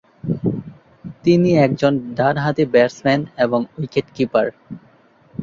তিনি একজন ডানহাতি ব্যাটসম্যান এবং উইকেট কিপার।